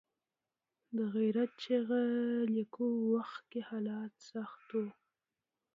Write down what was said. د غیرت چغې لیکلو وخت کې حالات سخت وو.